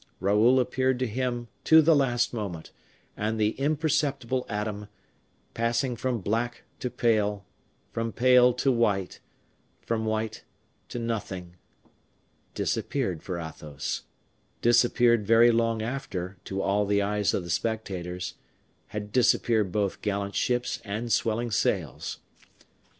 Raoul appeared to him to the last moment; and the imperceptible atom, passing from black to pale, from pale to white, from white to nothing, disappeared for Athos disappeared very long after, to all the eyes of the spectators, had disappeared both gallant ships and swelling sails.